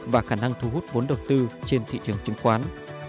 và khả năng thu hút vốn đầu tư trên thị trường chứng khoán